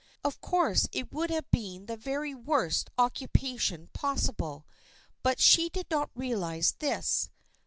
Of course it would have been the very worst occupation possible, but she did not realize this.